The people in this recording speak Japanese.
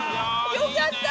よかった。